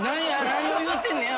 何を言うてんねや？